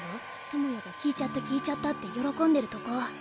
智也が「聞いちゃった聞いちゃった」って喜んでるとこ。